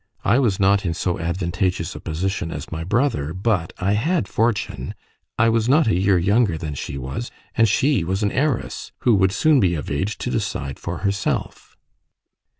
I was not in so advantageous a position as my brother, but I had fortune, I was not a year younger than she was, and she was an heiress, who would soon be of age to decide for herself.